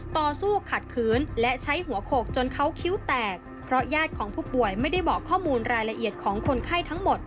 ต่อสู้ขัดขืนและใช้หัวโขกจนเขาคิ้วแตกเพราะญาติของผู้ป่วยไม่ได้บอกข้อมูลรายละเอียดของคนไข้ทั้งหมด